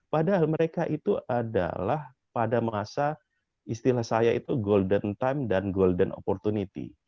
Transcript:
padahal mereka itu adalah pada masa istilah saya itu golden time dan golden opportunity